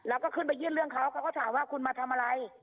แล้วก็ขึ้นไปยื่นเรื่องเขาเขาก็ถามว่าคุณมาทำอะไร